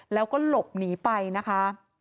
แล้วก็หลบหนีไปนะคะ